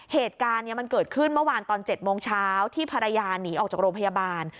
เหตุการณ์มันเกิดขึ้นเมื่อวานตอน๗โมงเช้าที่ภรรยาหนีออกจากโรงพยาบาล